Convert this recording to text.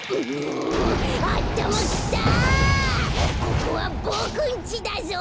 ここはボクんちだぞ。